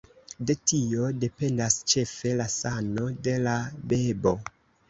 De tio dependas ĉefe la sano de la bebo.